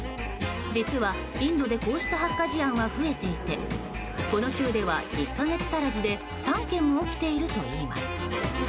実は、インドでこうした発火事案は増えていてこの州では１か月足らずで３件も起きているといいます。